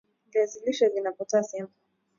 viazi lishe vina potasiam